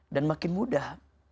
dan makin mudah